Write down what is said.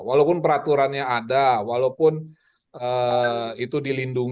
walaupun peraturannya ada walaupun itu dilindungi